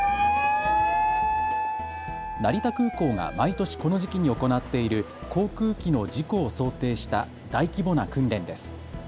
成田空港が毎年この時期に行っている航空機の事故を想定した大規模な訓練です。